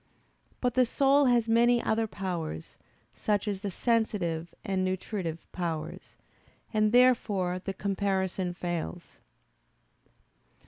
But the soul has many other powers, such as the sensitive and nutritive powers, and therefore the comparison fails.